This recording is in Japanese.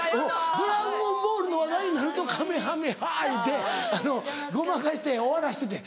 『ドラゴンボール』の話題になると「かめはめハ」言うてごまかして終わらしててん。